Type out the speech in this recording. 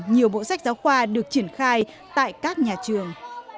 nhiều bộ sách giáo khoa được triển khai tại các nhà trường